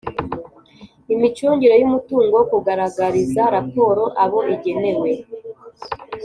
imicungire y'umutungo, kugaragariza raporo abo igenewe,